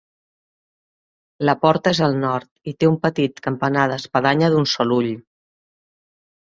La porta és al nord, i té un petit campanar d'espadanya d'un sol ull.